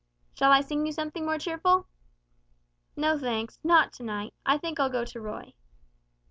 "Shall I sing you something more cheerful?" "No, thanks, not to night, I think I'll go to Roy."